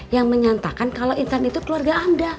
yang menyatakan kalau intan itu keluarga anda